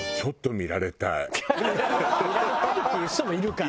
見られたいっていう人もいるからね。